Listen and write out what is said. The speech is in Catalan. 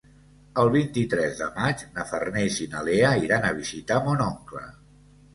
El vint-i-tres de maig na Farners i na Lea iran a visitar mon oncle.